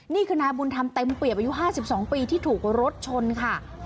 นี่คือนายบุญธรรมเต็มเปรียบอายุ๕๒ปีที่ถูกรถชนค่ะ